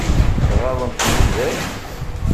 Ɣaḍen-kem widak?